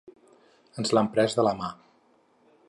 Ens l’han pres de la mà.